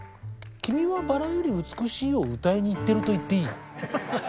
「君は薔薇より美しい」を歌いに行ってると言っていい。